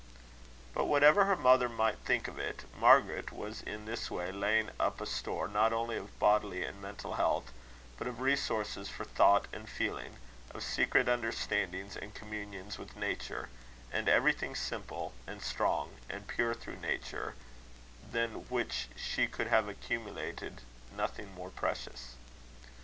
But whatever her mother might think of it, Margaret was in this way laying up a store not only of bodily and mental health, but of resources for thought and feeling, of secret understandings and communions with Nature, and everything simple, and strong, and pure through Nature, than which she could have accumulated nothing more precious.